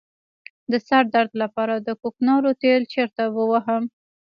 د سر درد لپاره د کوکنارو تېل چیرته ووهم؟